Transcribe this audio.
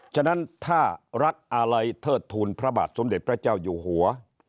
ฉะนั้นถ้ารักอะไรเทิดทูลพระบาทสมเด็จพระเจ้าอยู่หัว